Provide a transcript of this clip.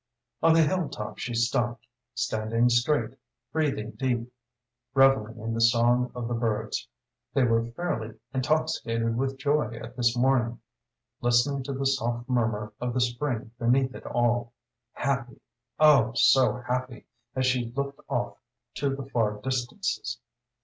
On the hill top she stopped, standing straight, breathing deep, revelling in the song of the birds they were fairly intoxicated with joy at this morning listening to the soft murmur of the spring beneath it all happy oh so happy, as she looked off to the far distances.